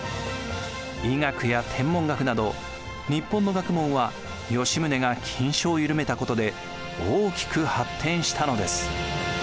医学や天文学など日本の学問は吉宗が禁書をゆるめたことで大きく発展したのです。